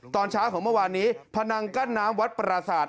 ตอนเช้าของเมื่อวานนี้พนังกั้นน้ำวัดปราศาสตร์